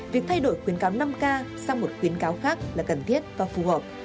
việc thay đổi khuyến cáo năm k sang một khuyến cáo khác là cần thiết và phù hợp